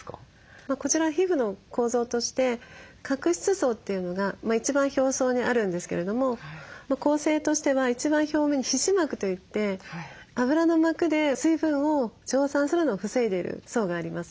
こちら皮膚の構造として角質層というのが一番表層にあるんですけれども構成としては一番表面に皮脂膜といって脂の膜で水分を蒸散するのを防いでいる層があります。